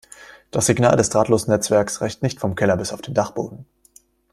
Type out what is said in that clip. Das Signal des Drahtlosnetzwerks reicht nicht vom Keller bis auf den Dachboden.